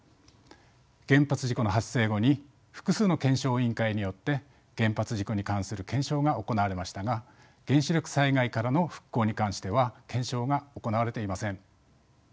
原発事故の発生後に複数の検証委員会によって原発事故に関する検証が行われましたが原子力災害からの復興に関しては検証が行われていません。